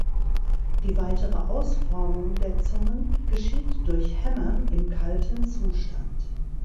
Die weitere Ausformung der Zungen geschieht durch Hämmern im kalten Zustand.